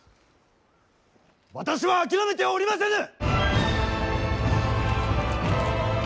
私は諦めてはおりませぬ！